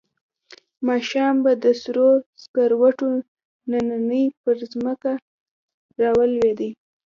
ماښام به د سرو سکروټو نینې پر ځمکه را لوېدې.